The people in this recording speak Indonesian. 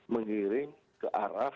menggiring ke arah